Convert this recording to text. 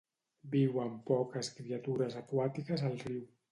Viuen poques criatures aquàtiques al riu.